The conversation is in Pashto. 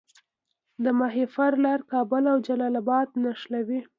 د ماهیپر لاره کابل او جلال اباد نښلوي